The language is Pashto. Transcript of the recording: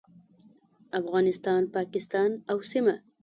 افغانستان، پاکستان او سیمه